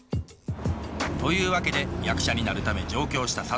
というわけで役者になるため上京した諭。